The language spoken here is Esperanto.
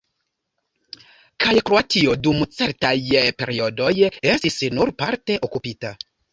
Kaj Kroatio dum certaj periodoj estis nur parte okupita.